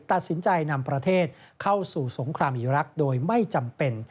ตัดสินใจนำประเทศเข้าสู่สงครามอีรักษ์โดยไม่จำเป็น